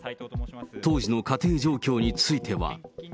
当時の家庭状況については。